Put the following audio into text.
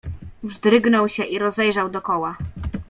"Wzdrygnął się i rozejrzał dokoła."